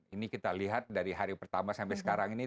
ini kita lihat dari hari pertama sampai sekarang ini